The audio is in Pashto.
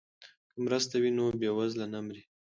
که مرسته وي نو بیوزله نه مري.